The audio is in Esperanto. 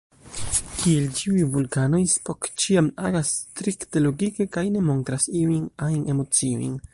Kiel ĉiuj vulkanoj, Spock ĉiam agas strikte logike kaj ne montras iujn ajn emociojn.